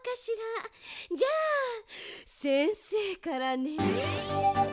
じゃあせんせいからね。